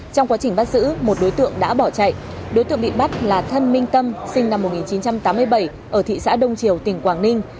trong quá trình bắt giữ một đối tượng đã bỏ chạy đối tượng bị bắt là thân minh tâm sinh năm một nghìn chín trăm tám mươi bảy ở thị xã đông triều tỉnh quảng ninh